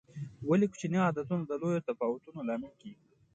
ولې کوچیني عادتونه د لویو تفاوتونو لامل کېږي؟